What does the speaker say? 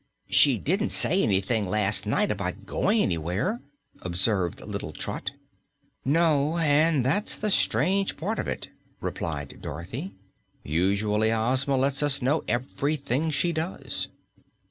"She didn't say anything las' night about going anywhere," observed little Trot. "No, and that's the strange part of it," replied Dorothy. "Usually Ozma lets us know of everything she does."